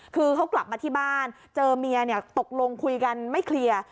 คือเขากลับมาที่บ้านเจอเมียตกลงคุยกันไม่เคลียร์